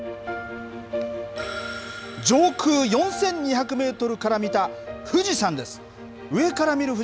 上空４２００メートルから見た富士山です。